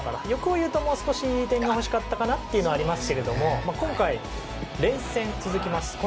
欲を言うと、もう少し点が欲しかったなというのがありますけれども今回、連戦続きます。